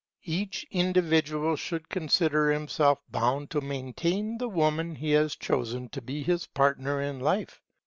Each individual should consider himself bound to maintain the woman he has chosen to be his partner in life.